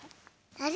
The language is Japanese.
あれ？